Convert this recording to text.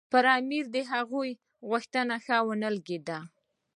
پر امیر د هغوی دا غوښتنه ښه ونه لګېده.